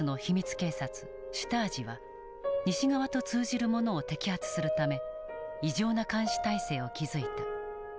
警察シュタージは西側と通じる者を摘発するため異常な監視体制を築いた。